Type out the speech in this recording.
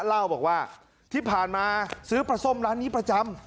เล่าบอกว่าที่ผ่านมาซื้อปลาส้มร้านนี้ประจำ